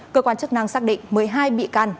cơ quan chức năng xác định một mươi hai bị can